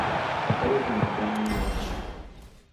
バカリズムはコンビ名です。